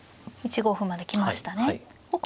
１五歩まで来ましたね。